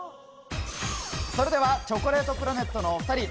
それではチョコレートプラネットのお２人。